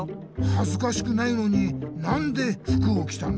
はずかしくないのになんで服をきたの？